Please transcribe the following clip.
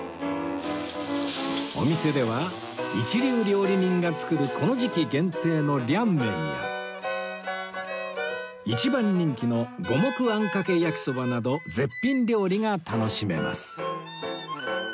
お店では一流料理人が作るこの時期限定の涼麺や一番人気の五目あんかけ焼きそばなど絶品料理が楽しめます